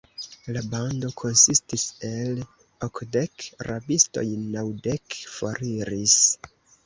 La bando konsistis el okdek rabistoj; naŭdek foriris!